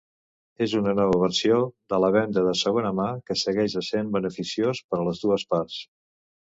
És una nova versió de la venda de segona mà que segueix essent beneficiós per les dues parts.